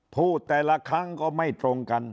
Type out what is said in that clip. พูดแต่ละครั้งก็ไม่ตรงกัน